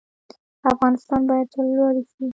افغانستان باید سرلوړی شي